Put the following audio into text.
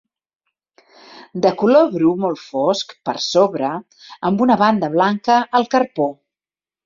De color bru molt fosc per sobre, amb una banda blanca al carpó.